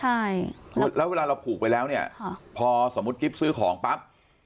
ใช่แล้วเวลาเราผูกไปแล้วเนี่ยพอสมมุติจิ๊บซื้อของปั๊บ